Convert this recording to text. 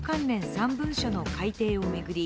３文書の改定を巡り